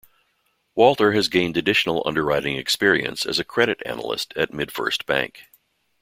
Walter has gained additional underwriting experience as a credit analyst at MidFirst Bank.